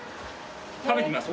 食べてみます？